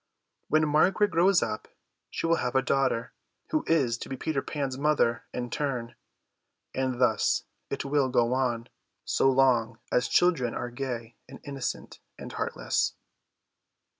When Margaret grows up she will have a daughter, who is to be Peter's mother in turn; and thus it will go on, so long as children are gay and innocent and heartless.